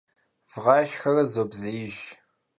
Vığaşşxere zobzêijj.